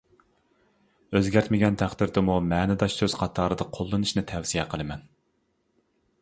ئۆزگەرتمىگەن تەقدىردىمۇ، مەنىداش سۆز قاتارىدا قوللىنىشنى تەۋسىيە قىلىمەن.